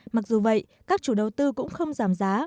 mặc dù vậy các chủ đầu tư cũng không giảm giá